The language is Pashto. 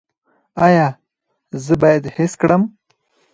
ایا زه باید حس کړم؟